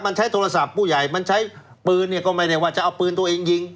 มันใช้โทรศัพท์ผู้ใหญ่มันใช้ปืนเนี่ยก็ไม่ได้ว่าจะเอาปืนตัวเองยิง